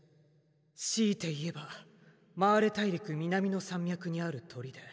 強いて言えばマーレ大陸南の山脈にある砦。